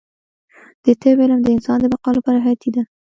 د طب علم د انسان د بقا لپاره حیاتي دی